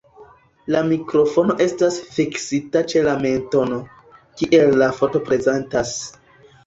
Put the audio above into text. La mikrofono estas fiksita ĉe la mentono, kiel la foto prezentas.